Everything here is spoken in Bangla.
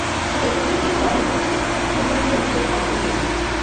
তাতে আইএসবিরোধী লড়াইয়ে তুরস্কের সক্রিয়ভাবে যোগ দেওয়ার বিষয়ে ইতিবাচক অগ্রগতি হয়েছে।